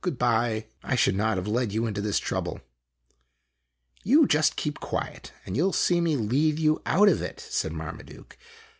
" Good by ! I should not have led you into this trouble." " You just keep quiet, and you '11 see me lead you out of it," said Marmaduke.